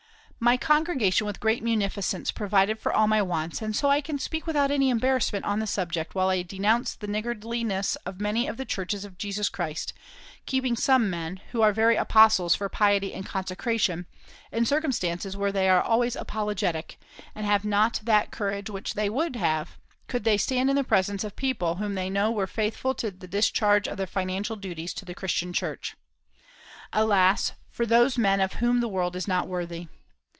My congregation with great munificence provided for all my wants, and so I can speak without any embarrassment on the subject while I denounce the niggardliness of many of the churches of Jesus Christ, keeping some men, who are very apostles for piety and consecration, in circumstances where they are always apologetic, and have not that courage which they would have could they stand in the presence of people whom they knew were faithful in the discharge of their financial duties to the Christian Church. Alas, for those men of whom the world is not worthy!